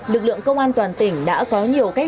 lực lượng công an toàn tỉnh đã có nhiều cách